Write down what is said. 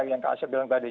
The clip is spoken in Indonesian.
yang kak asyik bilang tadi